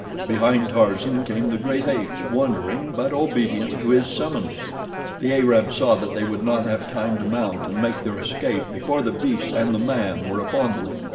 Behind Tarzan came the great apes, wondering, but obedient to his summons. The Arabs saw that they would not have time to mount and make their escape before the beasts and the man were upon them.